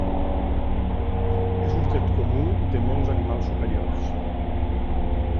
És un tret comú de molts animals superiors.